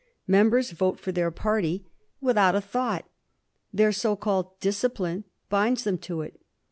Members vote for their party without a thought. Their so called discipline binds them to it.